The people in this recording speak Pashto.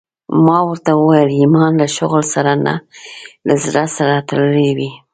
ما ورته وويل ايمان له شغل سره نه له زړه سره تړلى وي.